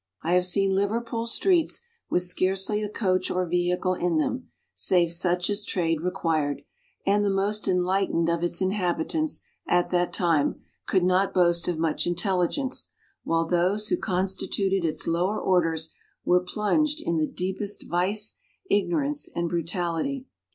I have seen Liverpool streets with scarcely a coach or vehicle in them, save such as trade required, and the most enlightened of its inhabitants, at that time, could not boast of much intelligence, while those who constituted its lower orders were plunged in the deepest vice, ignorance, and brutality.